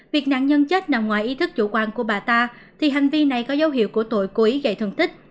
việc nạn nhân chết nằm ngoài ý thức chủ quan của bà ta thì hành vi này có dấu hiệu của tội cố ý gây thương tích